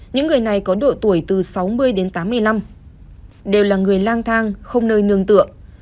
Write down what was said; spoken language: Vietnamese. những người này có độ tuổi từ sáu mươi đến tám mươi năm đều là người lang thang không nơi nương tựa